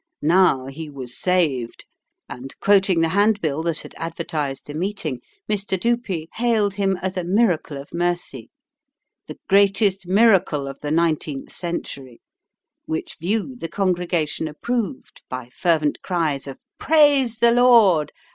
Now he was saved, and, quoting the handbill that had advertised the meeting, Mr. Dupee hailed him as "a miracle of mercy, the greatest miracle of the nineteenth century," which view the congregation approved by fervent cries of "Praise the Lord!"